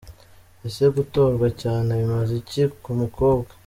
Ese gutorwa cyane bimaze iki ku mukobwa?.